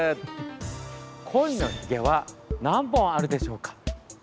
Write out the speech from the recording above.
コイのひげは何本あるでしょうか？